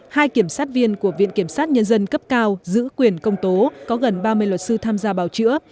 hai kiểm sát viên của viện kiểm sát nhân dân cấp cao giữ quyền công tố có gần ba mươi luật sư tham gia bào chữa